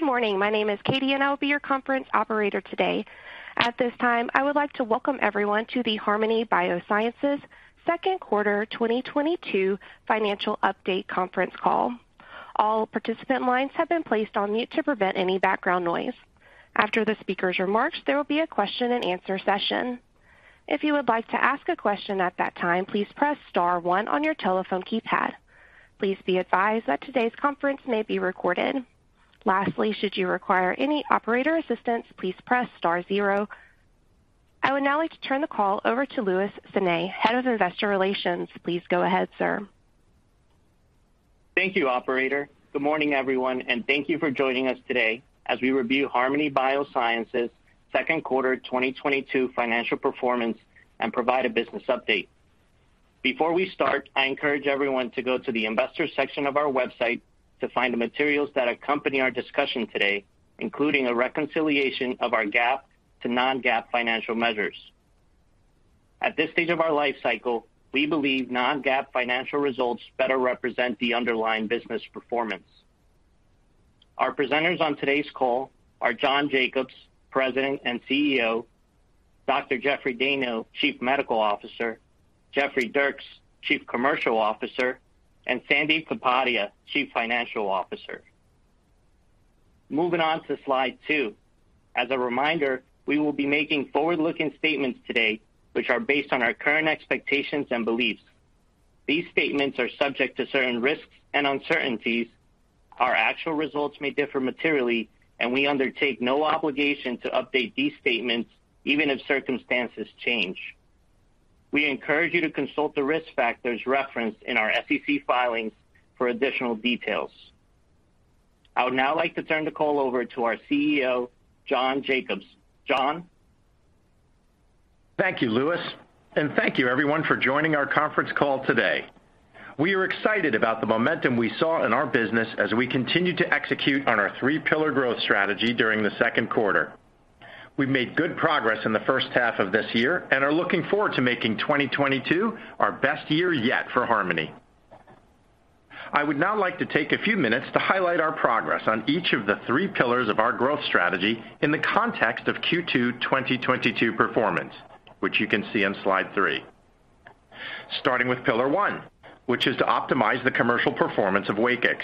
Good morning. My name is Katie, and I will be your conference operator today. At this time, I would like to welcome everyone to the Harmony Biosciences Second Quarter 2022 Financial Update Conference Call. All participant lines have been placed on mute to prevent any background noise. After the speaker's remarks, there will be a question-and-answer session. If you would like to ask a question at that time, please press star one on your telephone keypad. Please be advised that today's conference may be recorded. Lastly, should you require any operator assistance, please press star zero. I would now like to turn the call over to Luis Sanay, Head of Investor Relations. Please go ahead, sir. Thank you, operator. Good morning, everyone, and thank you for joining us today as we review Harmony Biosciences' Q2 2022 Financial Performance and provide a business update. Before we start, I encourage everyone to go to the investors section of our website to find the materials that accompany our discussion today, including a reconciliation of our GAAP to non-GAAP financial measures. At this stage of our life cycle, we believe non-GAAP financial results better represent the underlying business performance. Our presenters on today's call are John Jacobs, President and CEO, Dr. Jeffrey M. Dayno, Chief Medical Officer, Jeffrey Dierks, Chief Commercial Officer, and Sandip Kapadia, Chief Financial Officer. Moving on to slide 2. As a reminder, we will be making forward-looking statements today, which are based on our current expectations and beliefs. These statements are subject to certain risks and uncertainties. Our actual results may differ materially, and we undertake no obligation to update these statements even if circumstances change. We encourage you to consult the risk factors referenced in our SEC filings for additional details. I would now like to turn the call over to our CEO, John Jacobs. John. Thank you, Luis, and thank you everyone for joining our conference call today. We are excited about the momentum we saw in our business as we continue to execute on our three-pillar growth strategy during the second quarter. We've made good progress in the first half of this year and are looking forward to making 2022 our best year yet for Harmony. I would now like to take a few minutes to highlight our progress on each of the three pillars of our growth strategy in the context of Q2 2022 performance, which you can see on slide 3. Starting with pillar one, which is to optimize the commercial performance of WAKIX.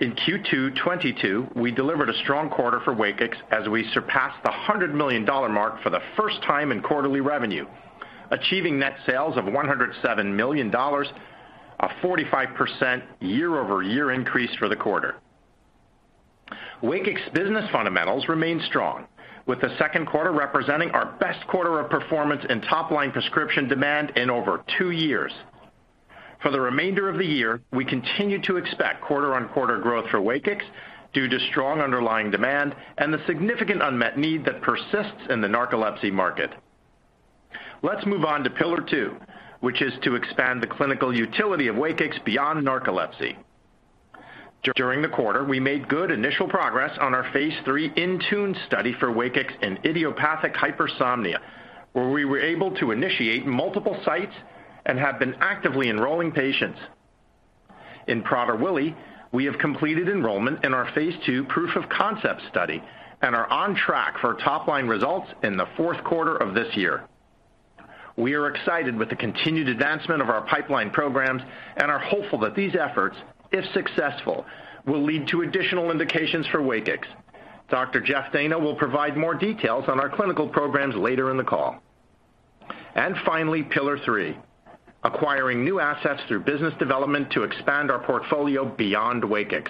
In Q2 2022, we delivered a strong quarter for WAKIX as we surpassed the $100 million mark for the first time in quarterly revenue, achieving net sales of $107 million, a 45% year-over-year increase for the quarter. WAKIX business fundamentals remain strong, with the second quarter representing our best quarter of performance and top-line prescription demand in over 2 years. For the remainder of the year, we continue to expect quarter-on-quarter growth for WAKIX due to strong underlying demand and the significant unmet need that persists in the narcolepsy market. Let's move on to pillar two, which is to expand the clinical utility of WAKIX beyond narcolepsy. During the quarter, we made good initial progress on our phase III INTUNE study for WAKIX in idiopathic hypersomnia, where we were able to initiate multiple sites and have been actively enrolling patients. In Prader-Willi, we have completed enrollment in our phase II proof of concept study and are on track for top-line results in the fourth quarter of this year. We are excited with the continued advancement of our pipeline programs and are hopeful that these efforts, if successful, will lead to additional indications for WAKIX. Dr. Jeffrey M. Dayno will provide more details on our clinical programs later in the call. Finally, pillar three, acquiring new assets through business development to expand our portfolio beyond WAKIX.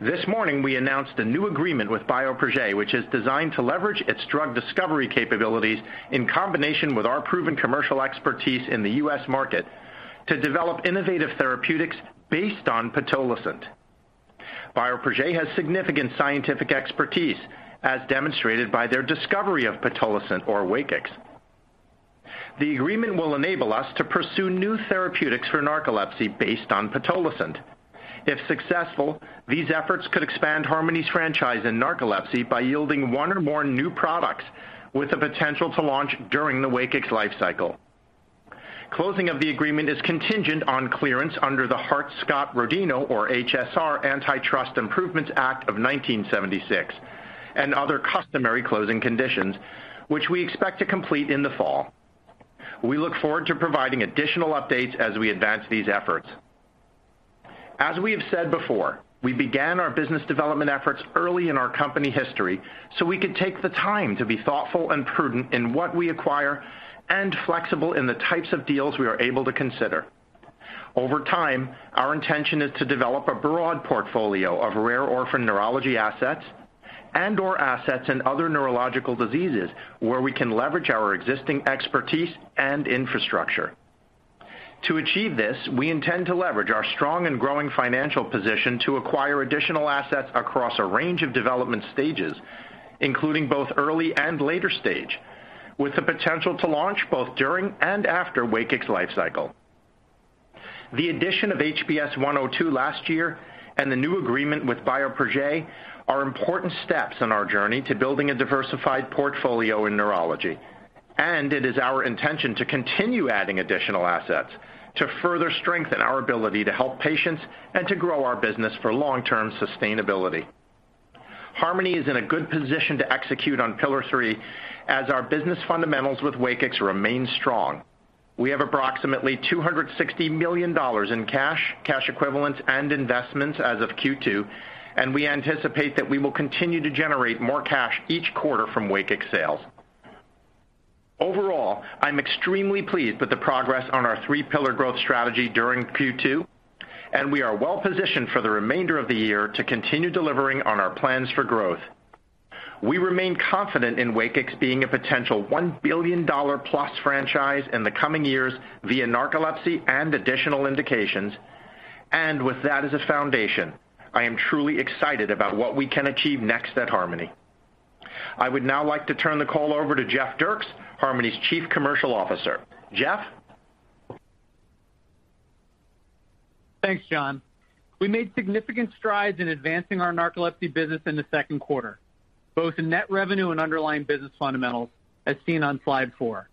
This morning, we announced a new agreement with Bioprojet, which is designed to leverage its drug discovery capabilities in combination with our proven commercial expertise in the U.S. market to develop innovative therapeutics based on pitolisant. Bioprojet has significant scientific expertise, as demonstrated by their discovery of pitolisant or WAKIX. The agreement will enable us to pursue new therapeutics for narcolepsy based on pitolisant. If successful, these efforts could expand Harmony's franchise in narcolepsy by yielding one or more new products with the potential to launch during the WAKIX lifecycle. Closing of the agreement is contingent on clearance under the Hart-Scott-Rodino, or HSR, Antitrust Improvements Act of 1976, and other customary closing conditions, which we expect to complete in the fall. We look forward to providing additional updates as we advance these efforts. We have said before, we began our business development efforts early in our company history, so we could take the time to be thoughtful and prudent in what we acquire and flexible in the types of deals we are able to consider. Over time, our intention is to develop a broad portfolio of rare orphan neurology assets and/or assets in other neurological diseases where we can leverage our existing expertise and infrastructure. To achieve this, we intend to leverage our strong and growing financial position to acquire additional assets across a range of development stages, including both early and later stage, with the potential to launch both during and after WAKIX lifecycle. The addition of HBS-102 last year and the new agreement with Bioprojet are important steps in our journey to building a diversified portfolio in neurology. It is our intention to continue adding additional assets to further strengthen our ability to help patients and to grow our business for long-term sustainability. Harmony is in a good position to execute on pillar three as our business fundamentals with WAKIX remain strong. We have approximately $260 million in cash equivalents, and investments as of Q2, and we anticipate that we will continue to generate more cash each quarter from WAKIX sales. Overall, I'm extremely pleased with the progress on our three pillar growth strategy during Q2, and we are well-positioned for the remainder of the year to continue delivering on our plans for growth. We remain confident in WAKIX being a potential $1 billion-plus franchise in the coming years via narcolepsy and additional indications. With that as a foundation, I am truly excited about what we can achieve next at Harmony. I would now like to turn the call over to Jeffrey Dierks, Harmony's Chief Commercial Officer. Jeff? Thanks, John. We made significant strides in advancing our narcolepsy business in the second quarter, both in net revenue and underlying business fundamentals as seen on slide 4.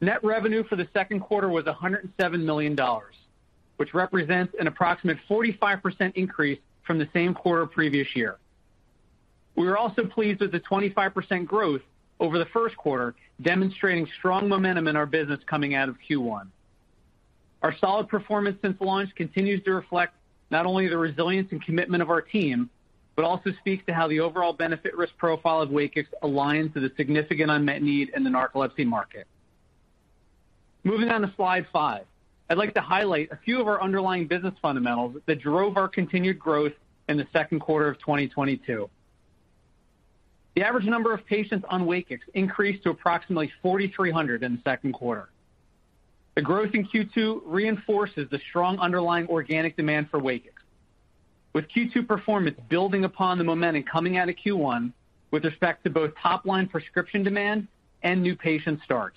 Net revenue for the second quarter was $107 million, which represents an approximate 45% increase from the same quarter previous year. We were also pleased with the 25% growth over the first quarter, demonstrating strong momentum in our business coming out of Q1. Our solid performance since launch continues to reflect not only the resilience and commitment of our team, but also speaks to how the overall benefit risk profile of WAKIX aligns with a significant unmet need in the narcolepsy market. Moving on to slide 5. I'd like to highlight a few of our underlying business fundamentals that drove our continued growth in the second quarter of 2022. The average number of patients on WAKIX increased to approximately 4,300 in the second quarter. The growth in Q2 reinforces the strong underlying organic demand for WAKIX, with Q2 performance building upon the momentum coming out of Q1 with respect to both top-line prescription demand and new patient starts.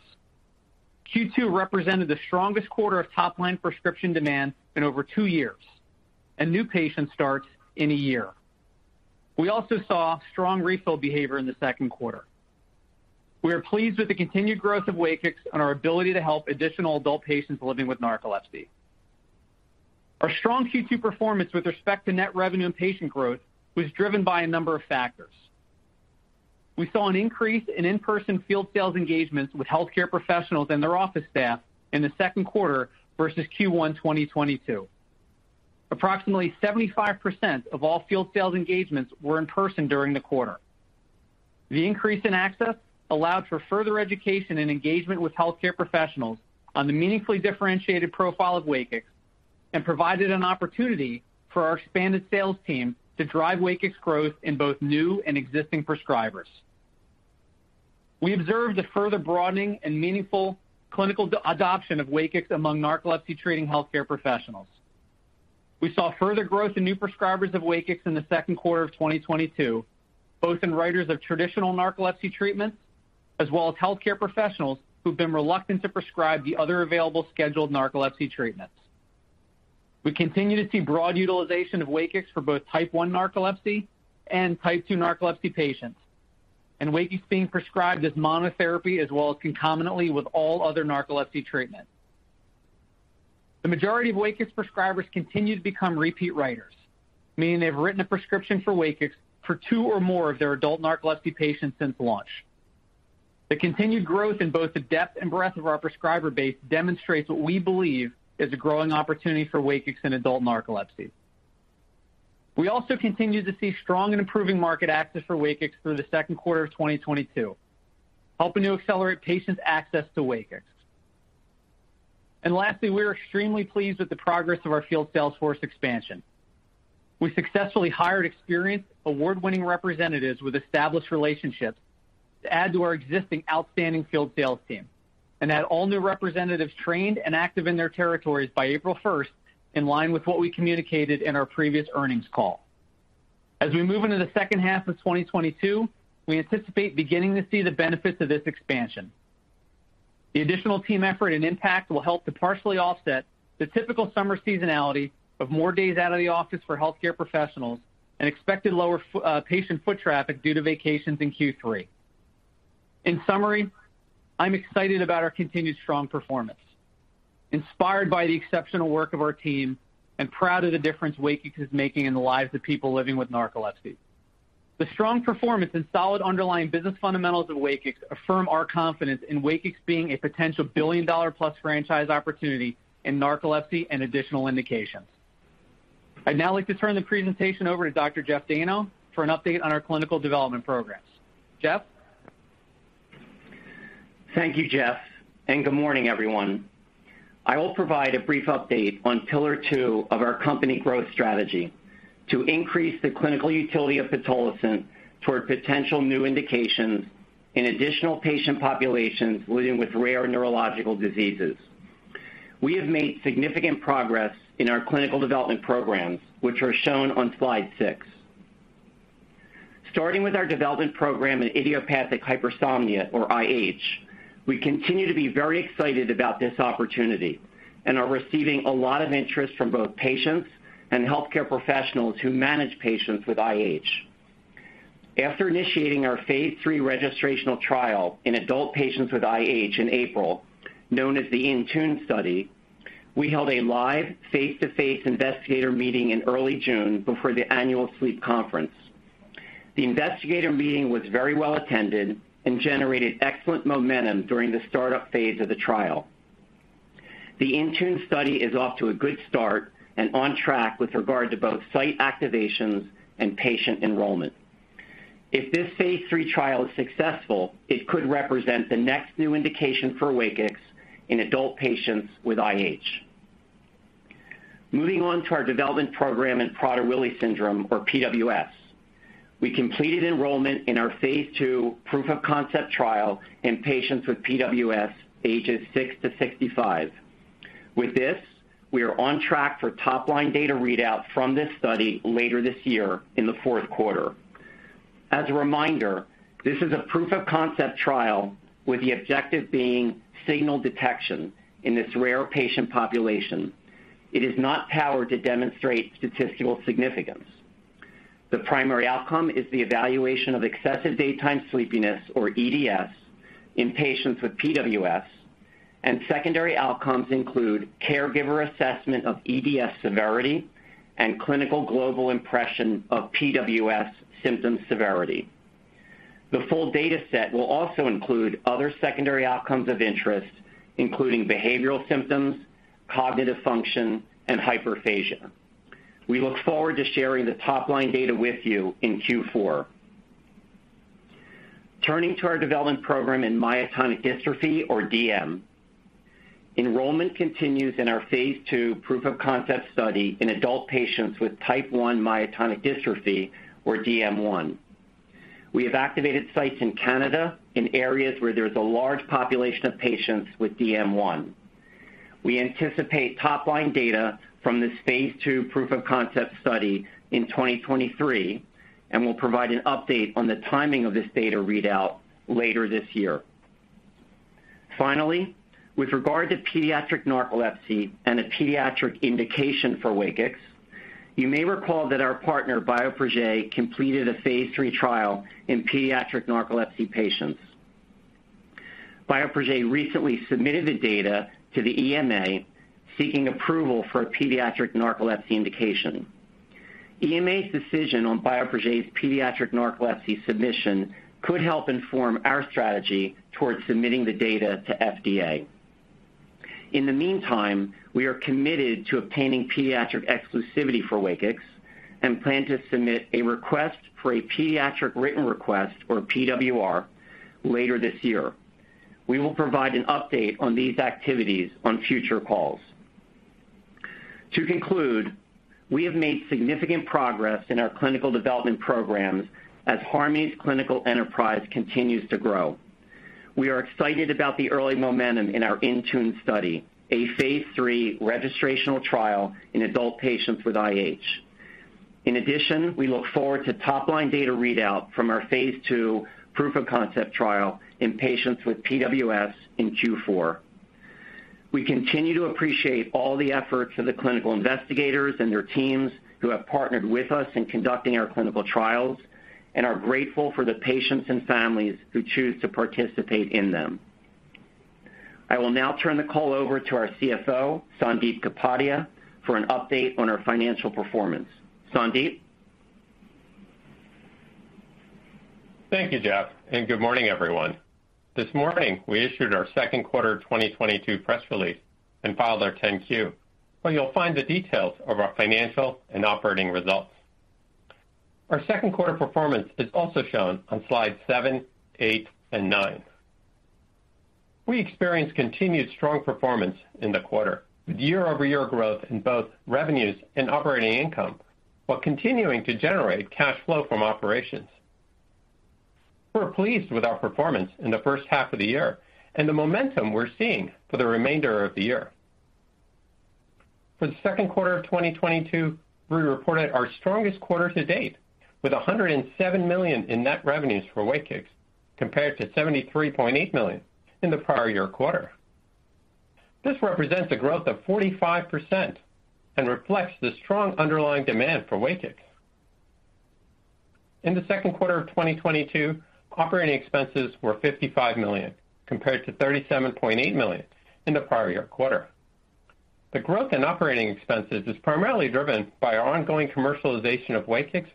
Q2 represented the strongest quarter of top-line prescription demand in over 2 years, and new patient starts in 1 year. We also saw strong refill behavior in the second quarter. We are pleased with the continued growth of WAKIX on our ability to help additional adult patients living with narcolepsy. Our strong Q2 performance with respect to net revenue and patient growth was driven by a number of factors. We saw an increase in in-person field sales engagements with healthcare professionals and their office staff in the second quarter versus Q1 2022. Approximately 75% of all field sales engagements were in person during the quarter. The increase in access allowed for further education and engagement with healthcare professionals on the meaningfully differentiated profile of WAKIX and provided an opportunity for our expanded sales team to drive WAKIX growth in both new and existing prescribers. We observed a further broadening and meaningful clinical adoption of WAKIX among narcolepsy treating healthcare professionals. We saw further growth in new prescribers of WAKIX in the second quarter of 2022, both in writers of traditional narcolepsy treatments, as well as healthcare professionals who've been reluctant to prescribe the other available scheduled narcolepsy treatments. We continue to see broad utilization of WAKIX for both Type 1 narcolepsy and Type 2 narcolepsy patients, WAKIX being prescribed as monotherapy as well as concomitantly with all other narcolepsy treatments. The majority of WAKIX prescribers continue to become repeat writers, meaning they've written a prescription for WAKIX for two or more of their adult narcolepsy patients since launch. The continued growth in both the depth and breadth of our prescriber base demonstrates what we believe is a growing opportunity for WAKIX in adult narcolepsy. We also continue to see strong and improving market access for WAKIX through the second quarter of 2022, helping to accelerate patients' access to WAKIX. Lastly, we are extremely pleased with the progress of our field sales force expansion. We successfully hired experienced award-winning representatives with established relationships to add to our existing outstanding field sales team and had all new representatives trained and active in their territories by April first, in line with what we communicated in our previous earnings call. As we move into the second half of 2022, we anticipate beginning to see the benefits of this expansion. The additional team effort and impact will help to partially offset the typical summer seasonality of more days out of the office for healthcare professionals and expected lower patient foot traffic due to vacations in Q3. In summary, I'm excited about our continued strong performance, inspired by the exceptional work of our team, and proud of the difference WAKIX is making in the lives of people living with narcolepsy. The strong performance and solid underlying business fundamentals of WAKIX affirm our confidence in WAKIX being a potential billion-dollar plus franchise opportunity in narcolepsy and additional indications. I'd now like to turn the presentation over to Dr. Jeffrey Dayno for an update on our clinical development programs. Jeff? Thank you, Jeff, and good morning, everyone. I will provide a brief update on pillar two of our company growth strategy to increase the clinical utility of pitolisant toward potential new indications in additional patient populations living with rare neurological diseases. We have made significant progress in our clinical development programs, which are shown on slide 6. Starting with our development program in idiopathic hypersomnia or IH. We continue to be very excited about this opportunity and are receiving a lot of interest from both patients and healthcare professionals who manage patients with IH. After initiating our phase 3 registrational trial in adult patients with IH in April, known as the INTUNE Study, we held a live face-to-face investigator meeting in early June before the annual sleep conference. The investigator meeting was very well attended and generated excellent momentum during the startup phase of the trial. The INTUNE Study is off to a good start and on track with regard to both site activations and patient enrollment. If this phase 3 trial is successful, it could represent the next new indication for WAKIX in adult patients with IH. Moving on to our development program in Prader-Willi syndrome or PWS. We completed enrollment in our phase II proof of concept trial in patients with PWS ages 6 to 65. With this, we are on track for top-line data readout from this study later this year in the fourth quarter. As a reminder, this is a proof of concept trial with the objective being signal detection in this rare patient population. It is not powered to demonstrate statistical significance. The primary outcome is the evaluation of excessive daytime sleepiness or EDS in patients with PWS, and secondary outcomes include caregiver assessment of EDS severity and clinical global impression of PWS symptom severity. The full data set will also include other secondary outcomes of interest, including behavioral symptoms, cognitive function, and hyperphagia. We look forward to sharing the top-line data with you in Q4. Turning to our development program in myotonic dystrophy or DM. Enrollment continues in our phase 2 proof of concept study in adult patients with Type 1 myotonic dystrophy or DM1. We have activated sites in Canada in areas where there's a large population of patients with DM1. We anticipate top-line data from this phase 2 proof of concept study in 2023, and we'll provide an update on the timing of this data readout later this year. Finally, with regard to pediatric narcolepsy and a pediatric indication for WAKIX, you may recall that our partner, Bioprojet, completed a phase 3 trial in pediatric narcolepsy patients. Bioprojet recently submitted the data to the EMA seeking approval for a pediatric narcolepsy indication. EMA's decision on Bioprojet's pediatric narcolepsy submission could help inform our strategy towards submitting the data to FDA. In the meantime, we are committed to obtaining pediatric exclusivity for WAKIX and plan to submit a request for a pediatric written request or PWR later this year. We will provide an update on these activities on future calls. To conclude, we have made significant progress in our clinical development programs as Harmony's clinical enterprise continues to grow. We are excited about the early momentum in our INTUNE study, a phase 3 registrational trial in adult patients with IH. In addition, we look forward to top-line data readout from our phase 2 proof of concept trial in patients with PWS in Q4. We continue to appreciate all the efforts of the clinical investigators and their teams who have partnered with us in conducting our clinical trials, and are grateful for the patients and families who choose to participate in them. I will now turn the call over to our CFO, Sandip Kapadia, for an update on our financial performance. Sandip? Thank you, Jeff, and good morning, everyone. This morning, we issued our second quarter 2022 press release and filed our 10-Q, where you'll find the details of our financial and operating results. Our second quarter performance is also shown on slides 7, 8, and 9. We experienced continued strong performance in the quarter with year-over-year growth in both revenues and operating income, while continuing to generate cash flow from operations. We're pleased with our performance in the first half of the year and the momentum we're seeing for the remainder of the year. For the second quarter of 2022, we reported our strongest quarter to date with $107 million in net revenues for WAKIX, compared to $73.8 million in the prior year quarter. This represents a growth of 45% and reflects the strong underlying demand for WAKIX. In the second quarter of 2022, operating expenses were $55 million, compared to $37.8 million in the prior year quarter. The growth in operating expenses is primarily driven by our ongoing commercialization of WAKIX,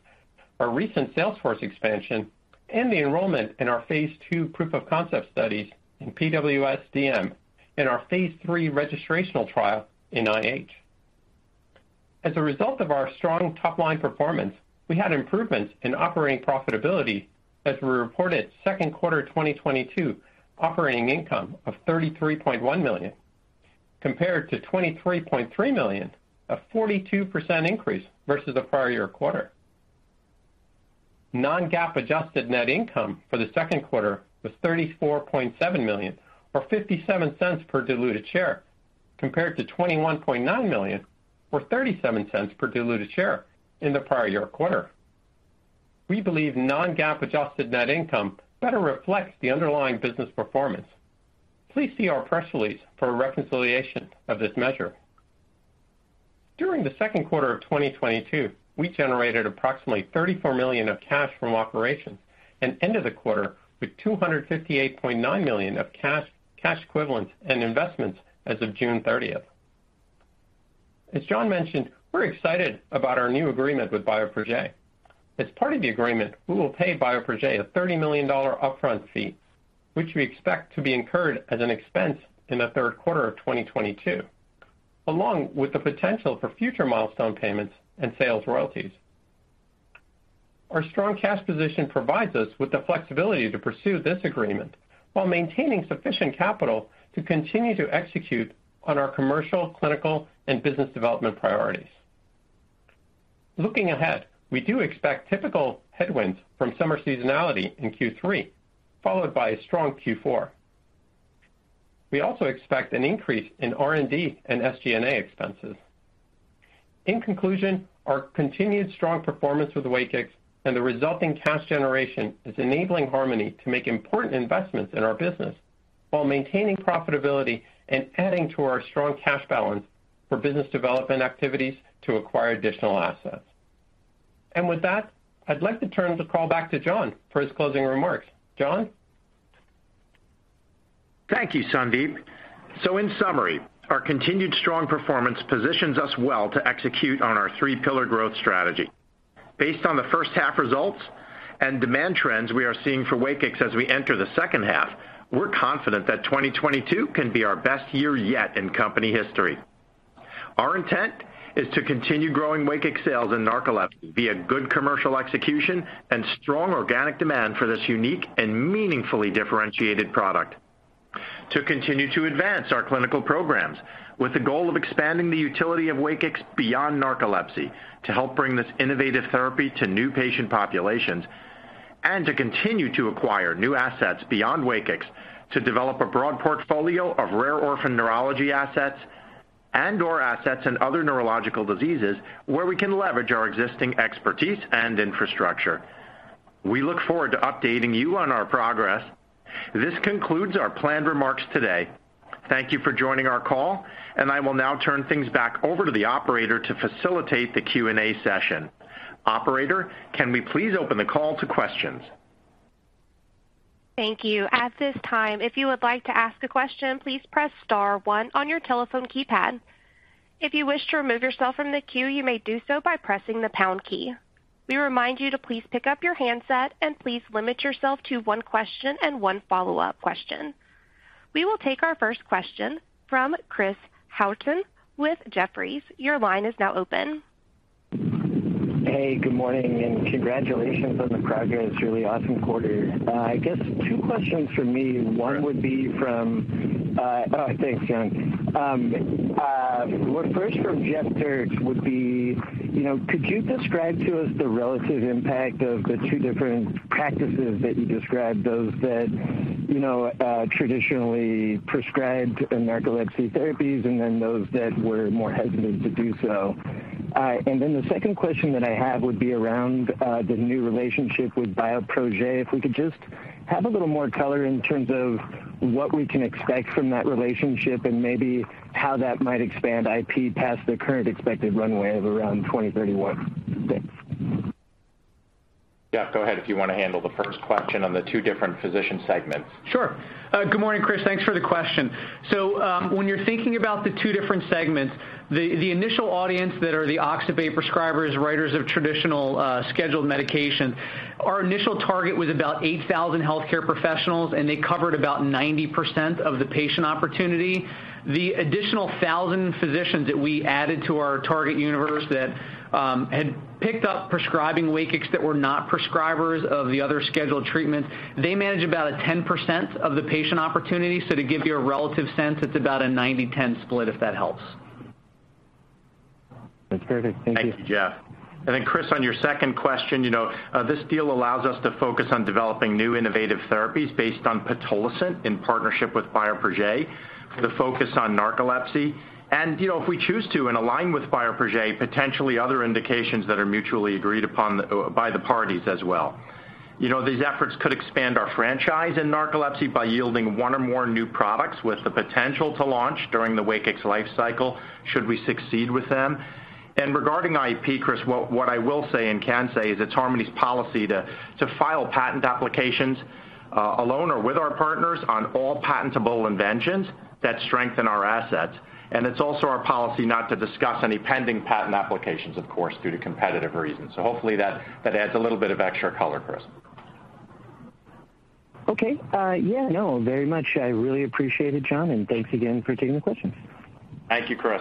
our recent sales force expansion, and the enrollment in our phase 2 proof of concept studies in PWS and DM and our phase 3 registrational trial in IH. As a result of our strong top-line performance, we had improvements in operating profitability as we reported second quarter 2022 operating income of $33.1 million compared to $23.3 million, a 42% increase versus the prior year quarter. non-GAAP adjusted net income for the second quarter was $34.7 million or $0.57 per diluted share. Compared to $21.9 million or $0.37 per diluted share in the prior year quarter. We believe non-GAAP adjusted net income better reflects the underlying business performance. Please see our press release for a reconciliation of this measure. During the second quarter of 2022, we generated approximately $34 million of cash from operations and ended the quarter with $258.9 million of cash equivalents and investments as of June 13th. As John mentioned, we're excited about our new agreement with Bioprojet. As part of the agreement, we will pay Bioprojet a $30 million upfront fee, which we expect to be incurred as an expense in the third quarter of 2022, along with the potential for future milestone payments and sales royalties. Our strong cash position provides us with the flexibility to pursue this agreement while maintaining sufficient capital to continue to execute on our commercial, clinical, and business development priorities. Looking ahead, we do expect typical headwinds from summer seasonality in Q3, followed by a strong Q4. We also expect an increase in R&D and SG&A expenses. In conclusion, our continued strong performance with WAKIX and the resulting cash generation is enabling Harmony to make important investments in our business while maintaining profitability and adding to our strong cash balance for business development activities to acquire additional assets. With that, I'd like to turn the call back to John for his closing remarks. John? Thank you, Sandip. In summary, our continued strong performance positions us well to execute on our three pillar growth strategy. Based on the first half results and demand trends we are seeing for WAKIX as we enter the second half, we're confident that 2022 can be our best year yet in company history. Our intent is to continue growing WAKIX sales in narcolepsy via good commercial execution and strong organic demand for this unique and meaningfully differentiated product. To continue to advance our clinical programs with the goal of expanding the utility of WAKIX beyond narcolepsy to help bring this innovative therapy to new patient populations, and to continue to acquire new assets beyond WAKIX to develop a broad portfolio of rare orphan neurology assets and or assets in other neurological diseases where we can leverage our existing expertise and infrastructure. We look forward to updating you on our progress. This concludes our planned remarks today. Thank you for joining our call, and I will now turn things back over to the operator to facilitate the Q&A session. Operator, can we please open the call to questions? Thank you. At this time, if you would like to ask a question, please press star one on your telephone keypad. If you wish to remove yourself from the queue, you may do so by pressing the pound key. We remind you to please pick up your handset and please limit yourself to one question and one follow-up question. We will take our first question from Chris Howerton with Jefferies. Your line is now open. Hey, good morning, and congratulations on the progress. Really awesome quarter. I guess two questions for me. One would be from, thanks, John. Well, first from Jeffrey Dierks would be, you know, could you describe to us the relative impact of the two different practices that you described, those that, you know, traditionally prescribed in narcolepsy therapies and then those that were more hesitant to do so? The second question that I have would be around the new relationship with Bioprojet. If we could just have a little more color in terms of what we can expect from that relationship and maybe how that might expand IP past the current expected runway of around 2031. Thanks. Jeff, go ahead if you want to handle the first question on the two different physician segments. Sure. Good morning, Chris. Thanks for the question. So, when you're thinking about the two different segments, the initial audience that are the oxybate prescribers, writers of traditional, scheduled medication, our initial target was about 8,000 healthcare professionals, and they covered about 90% of the patient opportunity. The additional 1,000 physicians that we added to our target universe that had picked up prescribing WAKIX that were not prescribers of the other scheduled treatments, they manage about a 10% of the patient opportunity. To give you a relative sense, it's about a 90/10 split, if that helps. That's very good. Thank you. Thank you, Jeff. Chris, on your second question, you know, this deal allows us to focus on developing new innovative therapies based on pitolisant in partnership with Bioprojet, the focus on narcolepsy. You know, if we choose to and align with Bioprojet, potentially other indications that are mutually agreed upon by the parties as well. You know, these efforts could expand our franchise in narcolepsy by yielding one or more new products with the potential to launch during the WAKIX life cycle, should we succeed with them. Regarding IP, Chris, what I will say and can say is it's Harmony's policy to file patent applications, alone or with our partners on all patentable inventions that strengthen our assets. It's also our policy not to discuss any pending patent applications, of course, due to competitive reasons. Hopefully that adds a little bit of extra color, Chris. Okay. Yeah, no, very much. I really appreciate it, John, and thanks again for taking the questions. Thank you, Chris.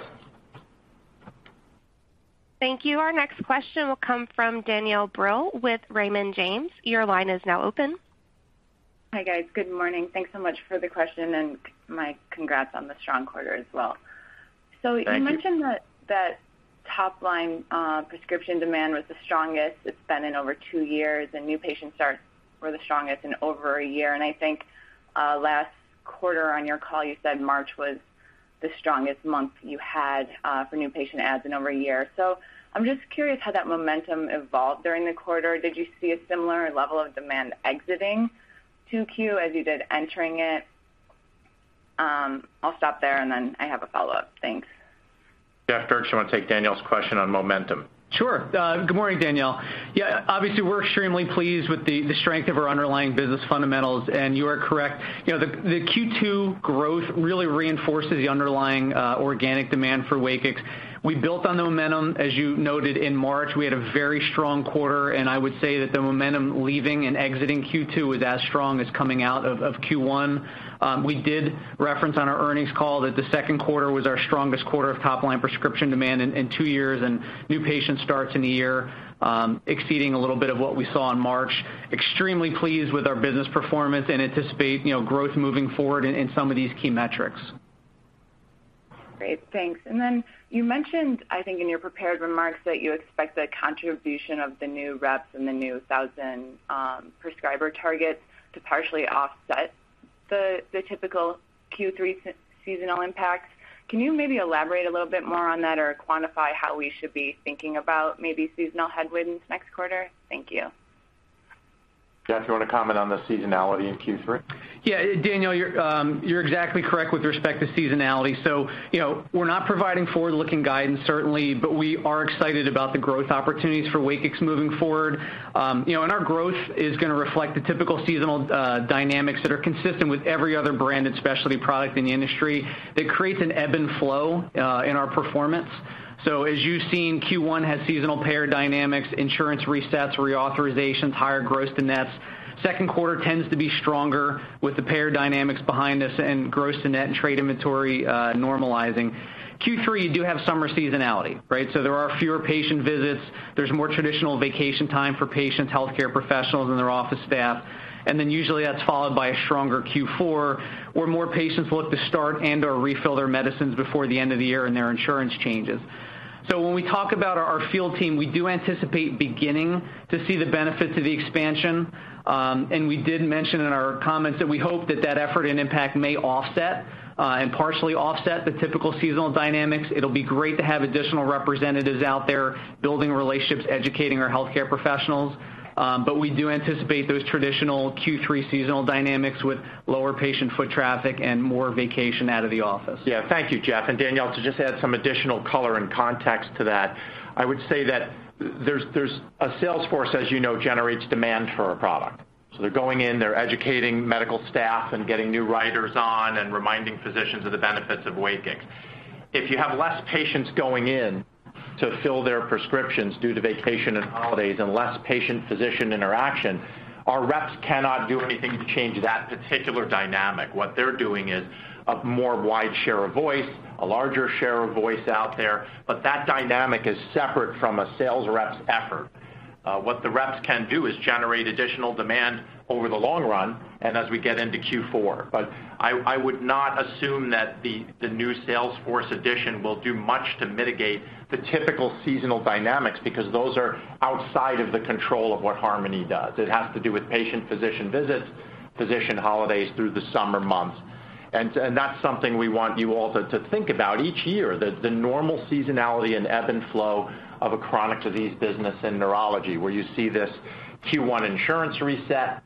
Thank you. Our next question will come from Danielle Brill with Raymond James. Your line is now open. Hi, guys. Good morning. Thanks so much for the question and my congrats on the strong quarter as well. Thank you. You mentioned that top line prescription demand was the strongest it's been in over two years, and new patient starts were the strongest in over a year. I think last quarter on your call, you said March was the strongest month you had for new patient adds in over a year. I'm just curious how that momentum evolved during the quarter. Did you see a similar level of demand exiting 2Q as you did entering it? I'll stop there and I have a follow-up. Thanks. Jeff Dierks, you wanna take Danielle's question on momentum? Sure. Good morning, Danielle. Yeah, obviously, we're extremely pleased with the strength of our underlying business fundamentals. You are correct. You know the Q2 growth really reinforces the underlying organic demand for WAKIX. We built on the momentum. As you noted in March, we had a very strong quarter, and I would say that the momentum leaving and exiting Q2 was as strong as coming out of Q1. We did reference on our earnings call that the second quarter was our strongest quarter of top line prescription demand in two years, and new patient starts in a year, exceeding a little bit of what we saw in March. Extremely pleased with our business performance and anticipate, you know, growth moving forward in some of these key metrics. Great. Thanks. Then you mentioned, I think in your prepared remarks that you expect the contribution of the new reps and the new 1,000 prescriber targets to partially offset the typical Q3 seasonal impact. Can you maybe elaborate a little bit more on that or quantify how we should be thinking about maybe seasonal headwinds next quarter? Thank you. Jeff, you wanna comment on the seasonality in Q3? Yeah, Danielle, you're exactly correct with respect to seasonality. You know, we're not providing forward-looking guidance certainly, but we are excited about the growth opportunities for WAKIX moving forward. You know, our growth is gonna reflect the typical seasonal dynamics that are consistent with every other branded specialty product in the industry that creates an ebb and flow in our performance. As you've seen, Q1 has seasonal payer dynamics, insurance resets, reauthorizations, higher gross to nets. Second quarter tends to be stronger with the payer dynamics behind this and gross to net and trade inventory normalizing. Q3, you do have summer seasonality, right? There are fewer patient visits. There's more traditional vacation time for patients, healthcare professionals, and their office staff. Then usually that's followed by a stronger Q4, where more patients look to start and/or refill their medicines before the end of the year and their insurance changes. When we talk about our field team, we do anticipate beginning to see the benefits of the expansion. We did mention in our comments that we hope that effort and impact may offset and partially offset the typical seasonal dynamics. It'll be great to have additional representatives out there building relationships, educating our healthcare professionals. We do anticipate those traditional Q3 seasonal dynamics with lower patient foot traffic and more vacation out of the office. Yeah. Thank you, Jeff. Danielle, to just add some additional color and context to that, I would say that there's a sales force, as you know, generates demand for our product. They're going in, they're educating medical staff and getting new writers on and reminding physicians of the benefits of WAKIX. If you have less patients going in to fill their prescriptions due to vacation and holidays and less patient-physician interaction, our reps cannot do anything to change that particular dynamic. What they're doing is a more wide share of voice, a larger share of voice out there, but that dynamic is separate from a sales rep's effort. What the reps can do is generate additional demand over the long run and as we get into Q4. I would not assume that the new sales force addition will do much to mitigate the typical seasonal dynamics because those are outside of the control of what Harmony does. It has to do with patient-physician visits, physician holidays through the summer months. That's something we want you all to think about each year, the normal seasonality and ebb and flow of a chronic disease business in neurology, where you see this Q1 insurance reset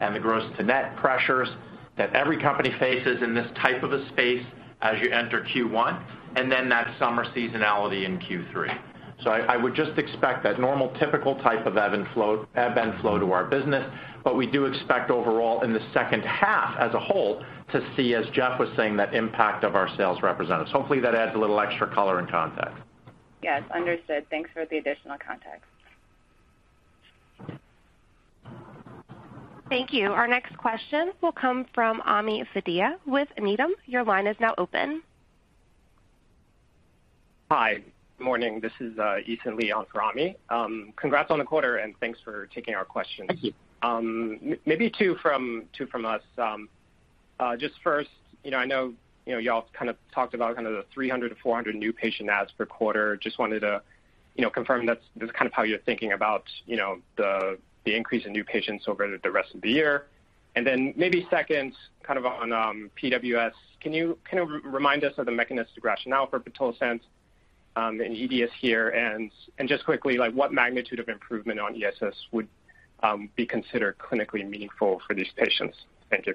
and the gross to net pressures that every company faces in this type of a space as you enter Q1, and then that summer seasonality in Q3. I would just expect that normal typical type of ebb and flow to our business, but we do expect overall in the second half as a whole to see, as Jeff was saying, that impact of our sales representatives. Hopefully, that adds a little extra color and context. Yes. Understood. Thanks for the additional context. Thank you. Our next question will come from Ami Fadia with Needham. Your line is now open. Hi. Morning. This is Ethan Lee on for Ami. Congrats on the quarter, and thanks for taking our questions. Thank you. Maybe two from us. Just first, you know, I know, you know, y'all kind of talked about kind of the 300-400 new patient adds per quarter. Just wanted to, you know, confirm that's kind of how you're thinking about, you know, the increase in new patients over the rest of the year. Then maybe second kind of on PWS. Can you kind of remind us of the mechanistic rationale for pitolisant and EDS here? Just quickly, like, what magnitude of improvement on ESS would be considered clinically meaningful for these patients? Thank you.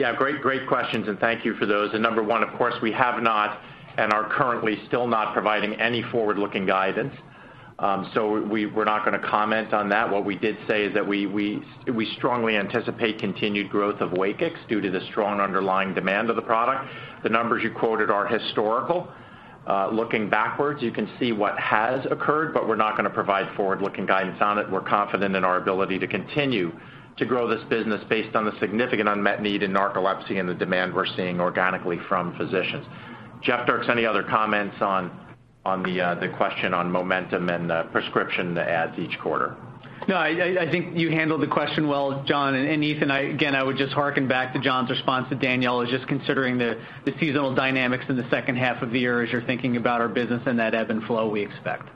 Yeah, great questions, and thank you for those. Number one, of course, we have not and are currently still not providing any forward-looking guidance. We're not gonna comment on that. What we did say is that we strongly anticipate continued growth of WAKIX due to the strong underlying demand of the product. The numbers you quoted are historical. Looking backwards, you can see what has occurred, but we're not gonna provide forward-looking guidance on it. We're confident in our ability to continue to grow this business based on the significant unmet need in narcolepsy and the demand we're seeing organically from physicians. Jeff Dierks, any other comments on the question on momentum and prescription adds each quarter? No, I think you handled the question well, John. Ethan, again, I would just harken back to John's response to Danielle, just considering the seasonal dynamics in the second half of the year as you're thinking about our business and that ebb and flow we expect.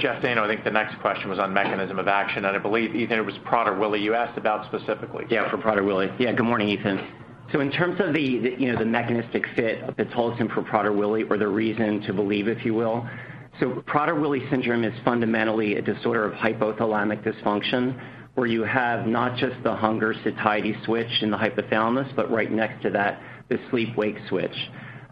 Jeff Dayno, I think the next question was on mechanism of action, and I believe, Ethan, it was Prader-Willi you asked about specifically. Yeah, for Prader-Willi. Yeah. Good morning, Ethan. In terms of the, you know, the mechanistic fit of pitolisant for Prader-Willi or the reason to believe, if you will. Prader-Willi syndrome is fundamentally a disorder of hypothalamic dysfunction, where you have not just the hunger satiety switch in the hypothalamus, but right next to that, the sleep-wake switch.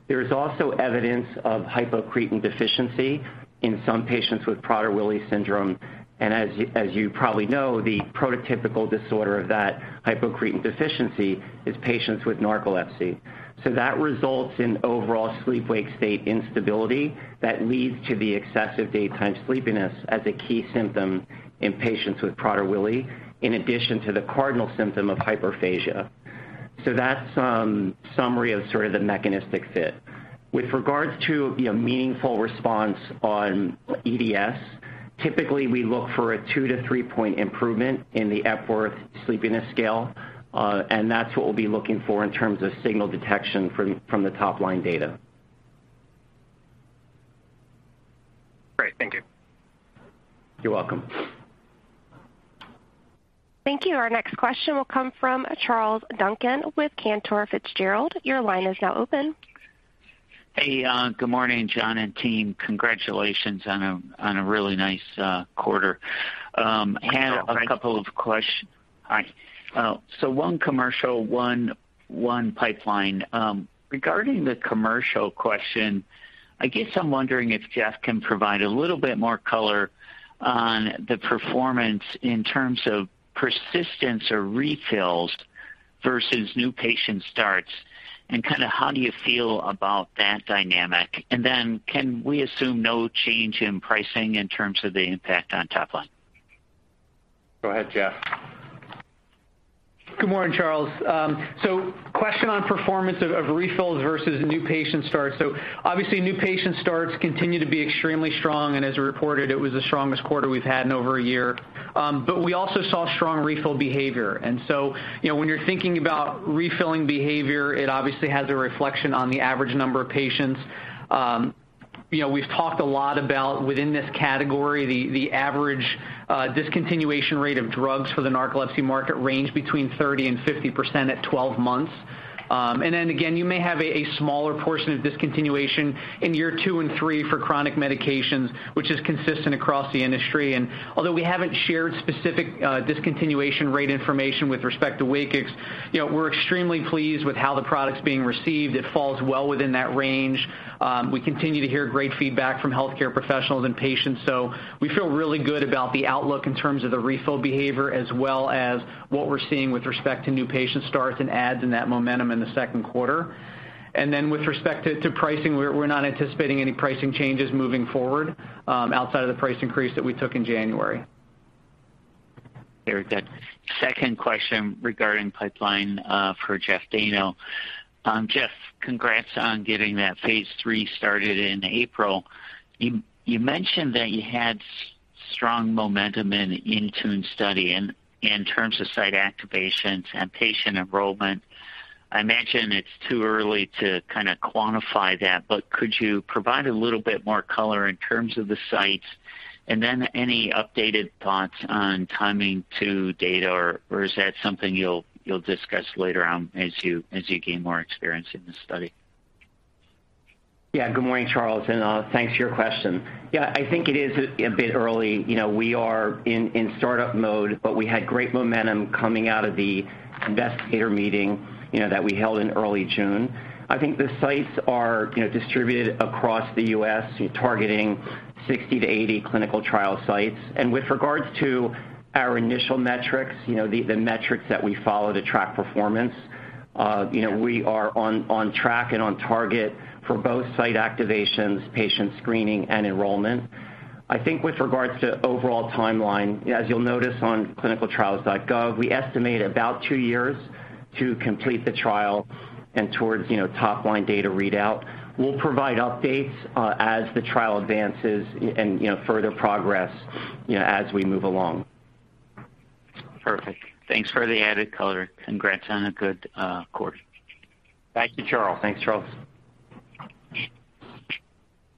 There is also evidence of hypocretin deficiency in some patients with Prader-Willi syndrome. As you probably know, the prototypical disorder of that hypocretin deficiency is patients with narcolepsy. That results in overall sleep-wake state instability that leads to the excessive daytime sleepiness as a key symptom in patients with Prader-Willi, in addition to the cardinal symptom of hyperphagia. That's summary of sort of the mechanistic fit. With regards to, you know, meaningful response on EDS, typically, we look for a 2- to 3-point improvement in the Epworth Sleepiness Scale, and that's what we'll be looking for in terms of signal detection from the top line data. Great. Thank you. You're welcome. Thank you. Our next question will come from Charles Duncan with Cantor Fitzgerald. Your line is now open. Hey, good morning, John and team. Congratulations on a really nice quarter. I had a couple of quest- Thanks, Charles. Hi. So one commercial, one pipeline. Regarding the commercial question, I guess I'm wondering if Jeff can provide a little bit more color on the performance in terms of persistence or refills versus new patient starts, and kind of how do you feel about that dynamic. Can we assume no change in pricing in terms of the impact on top line? Go ahead, Jeff. Good morning, Charles. Question on performance of refills versus new patient starts. Obviously, new patient starts continue to be extremely strong, and as we reported, it was the strongest quarter we've had in over a year. We also saw strong refill behavior. You know, when you're thinking about refilling behavior, it obviously has a reflection on the average number of patients. You know, we've talked a lot about within this category, the average discontinuation rate of drugs for the narcolepsy market range between 30%-50% at 12 months. You may have a smaller portion of discontinuation in year 2 and 3 for chronic medications, which is consistent across the industry. Although we haven't shared specific, discontinuation rate information with respect to WAKIX, you know, we're extremely pleased with how the product's being received. It falls well within that range. We continue to hear great feedback from healthcare professionals and patients. We feel really good about the outlook in terms of the refill behavior as well as what we're seeing with respect to new patient starts and adds in that momentum in the second quarter. With respect to pricing, we're not anticipating any pricing changes moving forward, outside of the price increase that we took in January. Very good. Second question regarding pipeline for Jeff Dayno. Jeff, congrats on getting that phase III started in April. You mentioned that you had strong momentum in INTUNE study in terms of site activations and patient enrollment. I imagine it's too early to kind of quantify that, but could you provide a little bit more color in terms of the sites? Then any updated thoughts on timing to data, or is that something you'll discuss later on as you gain more experience in the study? Yeah. Good morning, Charles, and thanks for your question. Yeah. I think it is a bit early. You know, we are in startup mode, but we had great momentum coming out of the investigator meeting, you know, that we held in early June. I think the sites are, you know, distributed across the U.S., targeting 60-80 clinical trial sites. With regards to our initial metrics, you know, the metrics that we follow to track performance, you know, we are on track and on target for both site activations, patient screening and enrollment. I think with regards to overall timeline, as you'll notice on ClinicalTrials.gov, we estimate about two years to complete the trial and towards, you know, top-line data readout. We'll provide updates, as the trial advances and, you know, further progress, you know, as we move along. Perfect. Thanks for the added color. Congrats on a good quarter. Thank you, Charles. Thanks, Charles.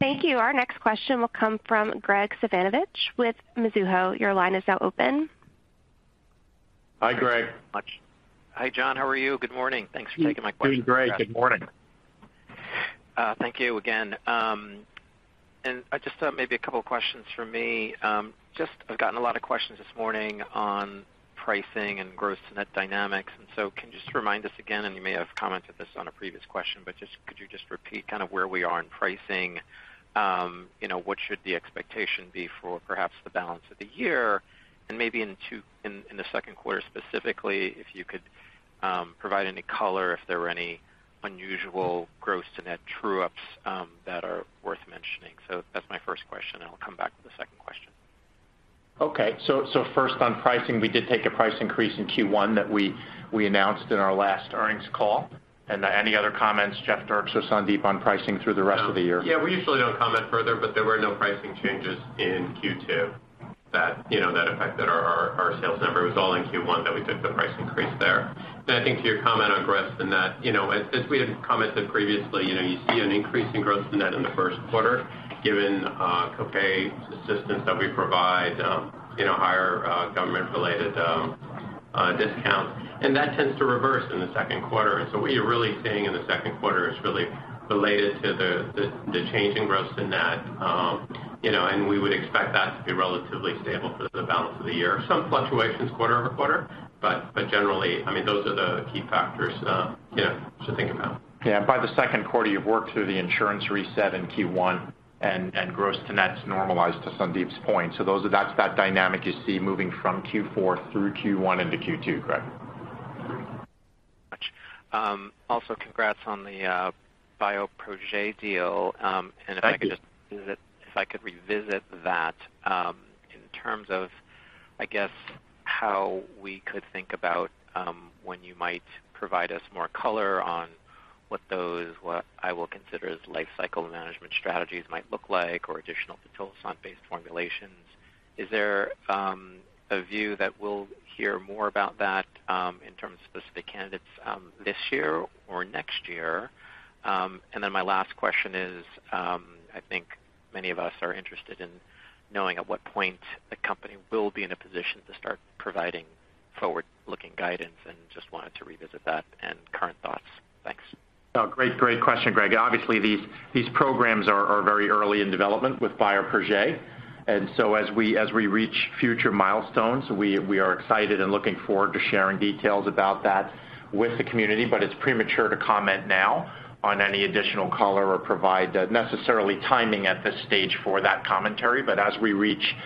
Thank you. Our next question will come from Graig Suvannavejh with Mizuho. Your line is now open. Hi, Graig. Thanks so much. Hi, John. How are you? Good morning. Thanks for taking my questions. Doing great. Good morning. Thank you again. Just maybe a couple of questions from me. Just I've gotten a lot of questions this morning on pricing and gross-to-net dynamics. Can you just remind us again, and you may have commented this on a previous question, but just could you just repeat kind of where we are in pricing? You know, what should the expectation be for perhaps the balance of the year? Maybe in the second quarter specifically, if you could provide any color if there were any unusual gross-to-net true-ups that are worth mentioning. That's my first question, and I'll come back to the second question. Okay. First on pricing, we did take a price increase in Q1 that we announced in our last earnings call. Any other comments, Jeff Dierks or Sandip, on pricing through the rest of the year? Yeah. We usually don't comment further. There were no pricing changes in Q2. That, you know, that affected our sales number. It was all in Q1 that we took the price increase there. I think to your comment on gross-to-net in the first quarter given copay assistance that we provide, you know, higher government-related discounts. That tends to reverse in the second quarter. What you're really seeing in the second quarter is really related to the change in gross-to-net. You know, we would expect that to be relatively stable for the balance of the year. Some fluctuations quarter over quarter, but generally, I mean, those are the key factors, you know, to think about. Yeah, by the second quarter, you've worked through the insurance reset in Q1, and gross to net's normalized to Sandip's point. That's that dynamic you see moving from Q4 through Q1 into Q2, Graig. Much. Also congrats on the Bioprojet deal. If I could just Thank you. If I could revisit that, in terms of, I guess, how we could think about when you might provide us more color on what those, what I will consider as lifecycle management strategies might look like or additional pitolisant-based formulations. Is there a view that we'll hear more about that in terms of specific candidates this year or next year? My last question is, I think many of us are interested in knowing at what point the company will be in a position to start providing forward-looking guidance, and just wanted to revisit that and current thoughts. Thanks. Oh, great. Great question, Graig. Obviously, these programs are very early in development with Bioprojet. As we reach future milestones, we are excited and looking forward to sharing details about that with the community. But it's premature to comment now on any additional color or provide necessary timing at this stage for that commentary. But as we reach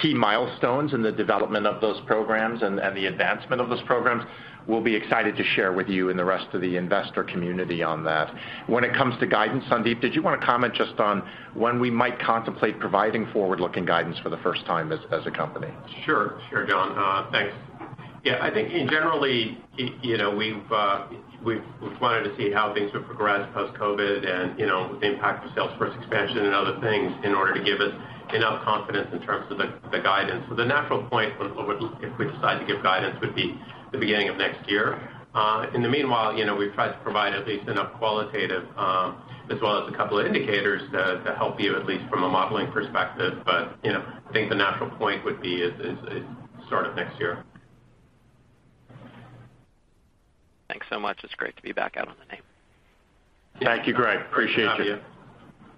key milestones in the development of those programs and the advancement of those programs, we'll be excited to share with you and the rest of the investor community on that. When it comes to guidance, Sandip, did you wanna comment just on when we might contemplate providing forward-looking guidance for the first time as a company? Sure, John. Thanks. Yeah. I think in general, you know, we've wanted to see how things would progress post-COVID and, you know, the impact of sales force expansion and other things in order to give us enough confidence in terms of the guidance. The natural point if we decide to give guidance would be the beginning of next year. In the meanwhile, you know, we've tried to provide at least enough qualitative as well as a couple of indicators to help you, at least from a modeling perspective. You know, I think the natural point would be is sort of next year. Thanks so much. It's great to be back out on the name. Thank you, Graig. Appreciate you. Great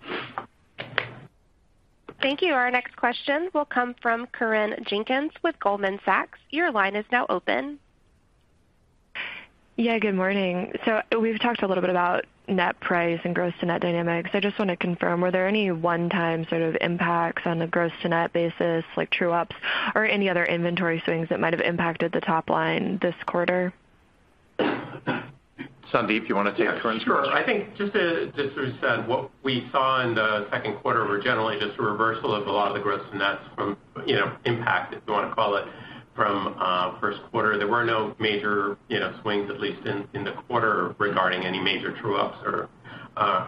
having you. Thank you. Our next question will come from Corinne Jenkins with Goldman Sachs. Your line is now open. Yeah, good morning. We've talked a little bit about net price and gross to net dynamics. I just wanna confirm, were there any one-time sort of impacts on the gross to net basis, like true ups or any other inventory swings that might have impacted the top line this quarter? Sandip, you wanna take Corinne's question? Yeah, sure. I think just to reset, what we saw in the second quarter were generally just a reversal of a lot of the gross to nets from, you know, impact, if you wanna call it, from first quarter. There were no major, you know, swings, at least in the quarter regarding any major true ups or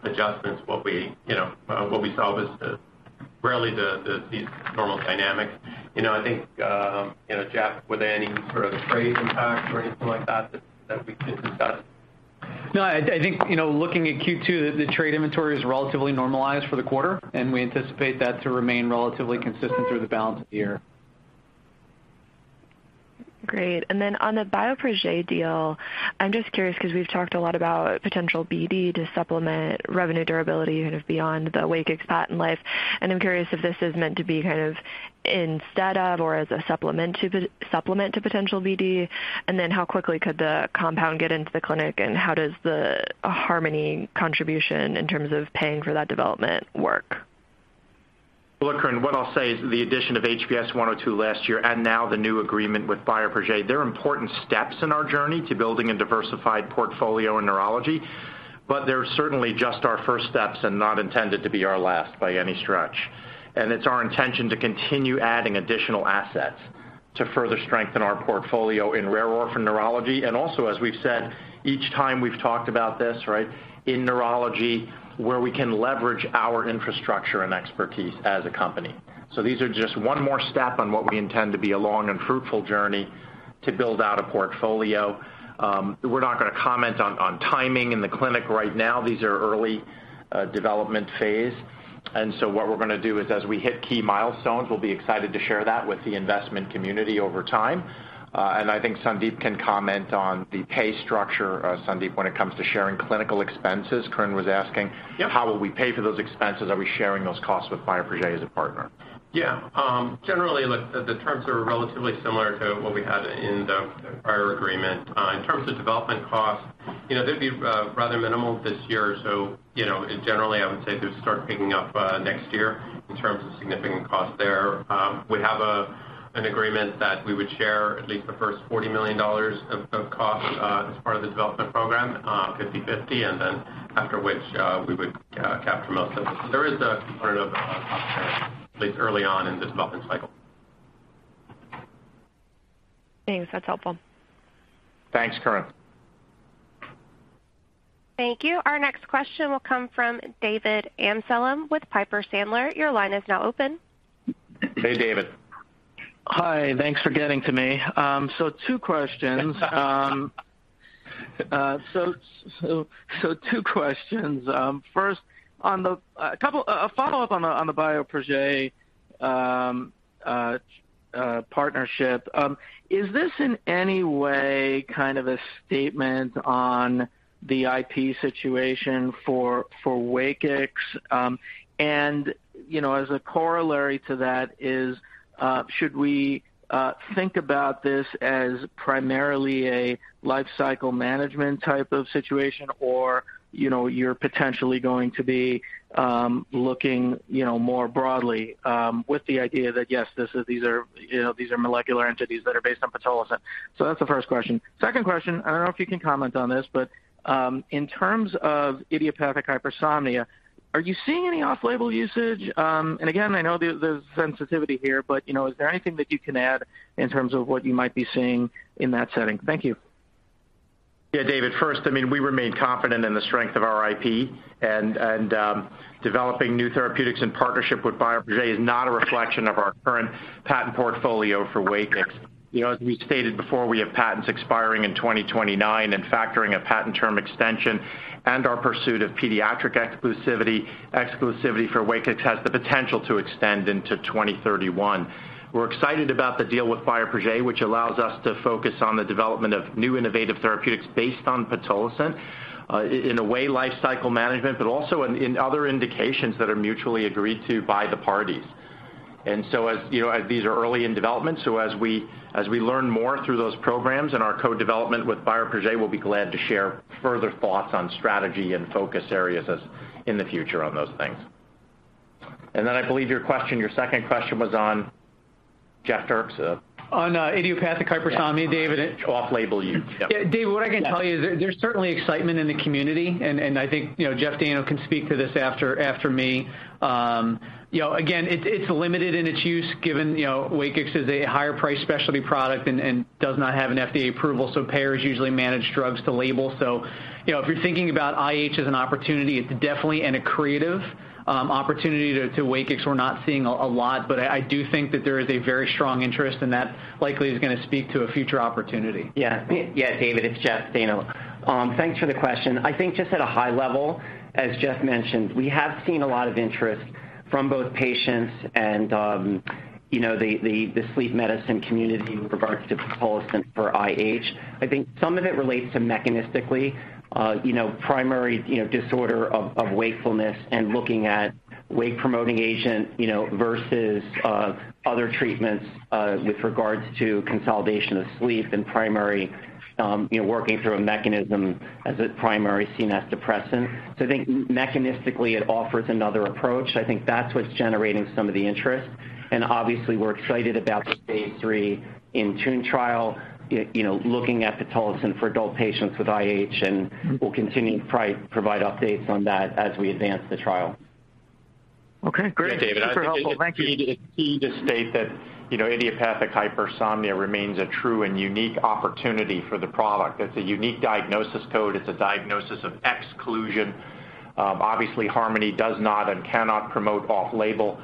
adjustments. What we saw was really these normal dynamics. You know, I think, you know, Jeff, were there any sort of trade impacts or anything like that that we should discuss? No, I think, you know, looking at Q2, the trade inventory is relatively normalized for the quarter, and we anticipate that to remain relatively consistent through the balance of the year. Great. Then on the Bioprojet deal, I'm just curious 'cause we've talked a lot about potential BD to supplement revenue durability kind of beyond the WAKIX's patent life. I'm curious if this is meant to be kind of instead of or as a supplement to supplement to potential BD? Then how quickly could the compound get into the clinic, and how does the Harmony contribution in terms of paying for that development work? Well, look, Corinne, what I'll say is the addition of HBS-102 last year and now the new agreement with Bioprojet, they're important steps in our journey to building a diversified portfolio in neurology, but they're certainly just our first steps and not intended to be our last by any stretch. It's our intention to continue adding additional assets to further strengthen our portfolio in rare orphan neurology. Also, as we've said each time we've talked about this, right, in neurology where we can leverage our infrastructure and expertise as a company. These are just one more step on what we intend to be a long and fruitful journey to build out a portfolio. We're not gonna comment on timing in the clinic right now. These are early development phase. What we're gonna do is as we hit key milestones, we'll be excited to share that with the investment community over time. I think Sandip can comment on the pay structure. Sandip, when it comes to sharing clinical expenses, Corinne was asking. Yep. How will we pay for those expenses? Are we sharing those costs with Bioprojet as a partner? Yeah. Generally, look, the terms are relatively similar to what we had in the prior agreement. In terms of development costs, you know, they'd be rather minimal this year. Generally, I would say they would start picking up next year in terms of significant costs there. We have an agreement that we would share at least the first $40 million of cost as part of the development program 50/50, and then after which we would capture most of it. There is a component of cost share at least early on in the development cycle. Thanks. That's helpful. Thanks, Corinne. Thank you. Our next question will come from David Amsellem with Piper Sandler. Your line is now open. Hey, David. Hi. Thanks for getting to me. Two questions. First, a follow-up on the Bioprojet partnership. Is this in any way kind of a statement on the IP situation for WAKIX? And, you know, as a corollary to that, should we think about this as primarily a life cycle management type of situation, or, you know, you're potentially going to be looking, you know, more broadly, with the idea that, yes, these are molecular entities that are based on pitolisant. That's the first question. Second question, I don't know if you can comment on this, but in terms of idiopathic hypersomnia, are you seeing any off-label usage? Again, I know there's sensitivity here, but you know, is there anything that you can add in terms of what you might be seeing in that setting? Thank you. Yeah, David. First, I mean, we remain confident in the strength of our IP and developing new therapeutics in partnership with Bioprojet is not a reflection of our current patent portfolio for WAKIX. You know, as we stated before, we have patents expiring in 2029 and, factoring a patent term extension and our pursuit of pediatric exclusivity for WAKIX has the potential to extend into 2031. We're excited about the deal with Bioprojet, which allows us to focus on the development of new innovative therapeutics based on pitolisant in a way, life cycle management, but also in other indications that are mutually agreed to by the parties. As you know, as these are early in development, so as we learn more through those programs and our co-development with Bioprojet, we'll be glad to share further thoughts on strategy and focus areas as in the future on those things. I believe your question, your second question was on Jeff Dierks. On idiopathic hypersomnia, David. Off-label use. Yep. Yeah, David, what I can tell you is there's certainly excitement in the community and I think, you know, Jeff Dayno can speak to this after me. You know, again, it's limited in its use given, you know, WAKIX is a higher price specialty product and does not have an FDA approval, so payers usually manage drugs to label. You know, if you're thinking about IH as an opportunity, it's definitely a creative opportunity to WAKIX. We're not seeing a lot, but I do think that there is a very strong interest and that likely is gonna speak to a future opportunity. Yeah. Yeah, David, it's Jeff Dayno. Thanks for the question. I think just at a high level, as Jeff mentioned, we have seen a lot of interest from both patients and, you know, the sleep medicine community with regards to pitolisant for IH. I think some of it relates to mechanistically, you know, primary disorder of wakefulness and looking at wake-promoting agent, you know, versus other treatments with regards to consolidation of sleep and primary, you know, working through a mechanism as a primary CNS depressant. I think mechanistically it offers another approach. I think that's what's generating some of the interest, and obviously we're excited about the phase III INTUNE trial, you know, looking at pitolisant for adult patients with IH, and we'll continue to provide updates on that as we advance the trial. Okay, great. Yeah, David. Super helpful. Thank you. It's key to state that, you know, idiopathic hypersomnia remains a true and unique opportunity for the product. It's a unique diagnosis code. It's a diagnosis of exclusion. Obviously, Harmony does not and cannot promote off-label.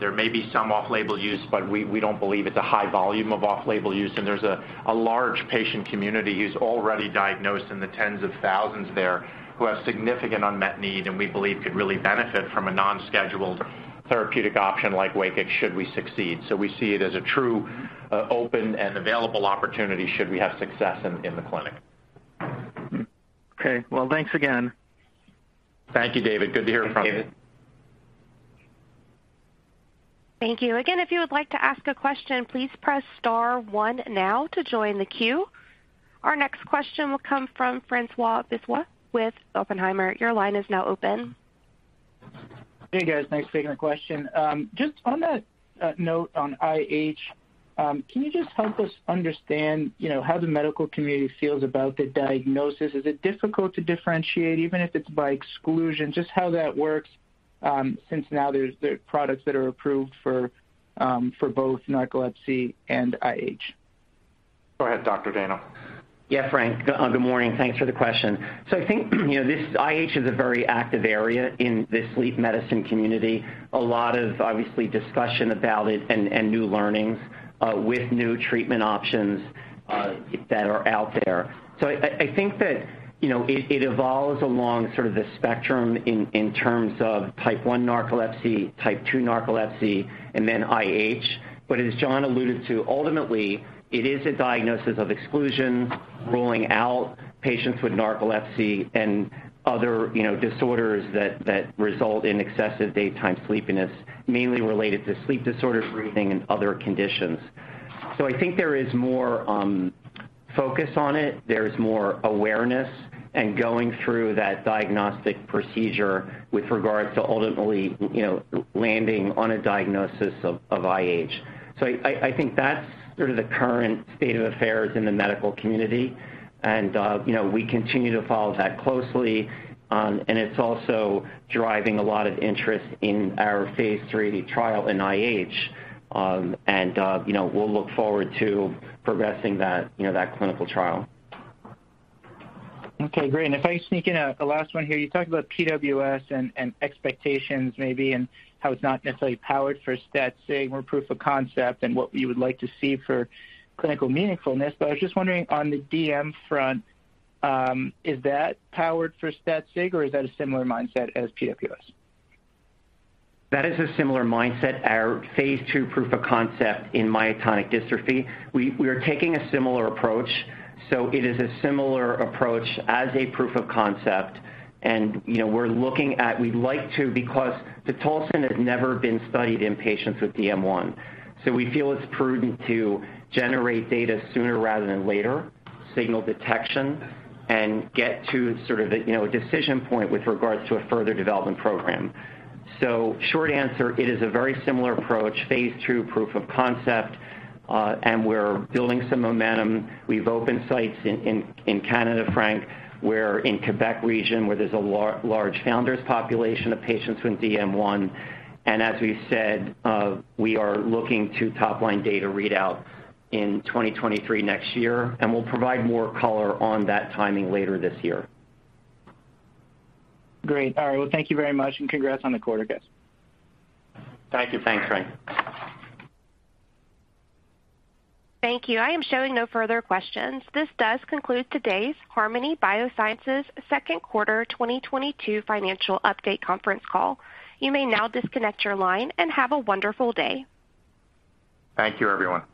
There may be some off-label use, but we don't believe it's a high volume of off-label use. There's a large patient community who's already diagnosed in the tens of thousands there who have significant unmet need and we believe could really benefit from a non-scheduled therapeutic option like WAKIX should we succeed. We see it as a true, open and available opportunity should we have success in the clinic. Okay. Well, thanks again. Thank you, David. Good to hear from you. Thanks, David. Thank you. Again, if you would like to ask a question, please press star one now to join the queue. Our next question will come from François Brisebois with Oppenheimer. Your line is now open. Hey, guys. Thanks for taking my question. Just on that note on IH, can you just help us understand, you know, how the medical community feels about the diagnosis? Is it difficult to differentiate even if it's by exclusion, just how that works, since now there's the products that are approved for both narcolepsy and IH? Go ahead, Jeff Dayno. Yeah, François. Good morning. Thanks for the question. I think, you know, this IH is a very active area in the sleep medicine community. A lot of obviously discussion about it and new learnings with new treatment options that are out there. I think that, you know, it evolves along sort of the spectrum in terms of Type 1 narcolepsy, Type 2 narcolepsy, and then IH. As John alluded to, ultimately it is a diagnosis of exclusion, ruling out patients with narcolepsy and other, you know, disorders that result in excessive daytime sleepiness, mainly related to sleep disorders, breathing, and other conditions. I think there is more focus on it. There's more awareness and going through that diagnostic procedure with regards to ultimately, you know, landing on a diagnosis of IH. I think that's sort of the current state of affairs in the medical community. You know, we continue to follow that closely. It's also driving a lot of interest in our phase III trial in IH. You know, we'll look forward to progressing that, you know, that clinical trial. Okay, great. If I sneak in a last one here, you talked about PWS and expectations maybe and how it's not necessarily powered for stat sig more proof of concept and what you would like to see for clinical meaningfulness. I was just wondering on the DM front, is that powered for stat sig or is that a similar mindset as PWS? That is a similar mindset. Our phase II proof of concept in myotonic dystrophy. We are taking a similar approach, so it is a similar approach as a proof of concept. You know, we're looking at. We'd like to because pitolisant has never been studied in patients with DM1, so we feel it's prudent to generate data sooner rather than later, signal detection, and get to sort of a, you know, a decision point with regards to a further development program. Short answer, it is a very similar approach, phase II proof of concept, and we're building some momentum. We've opened sites in Canada, François. We're in Quebec region, where there's a large founder population of patients with DM1. As we've said, we are looking to top-line data readout in 2023 next year, and we'll provide more color on that timing later this year. Great. All right. Well, thank you very much, and congrats on the quarter, guys. Thank you. Thanks, François. Thank you. I am showing no further questions. This does conclude today's Harmony Biosciences Second Quarter 2022 Financial Update Conference Call. You may now disconnect your line and have a wonderful day. Thank you, everyone.